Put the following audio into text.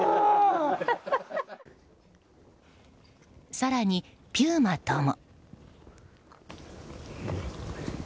更に、ピューマとも。